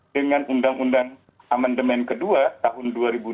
dengan undang undang amendement ke dua tahun dua ribu dua puluh satu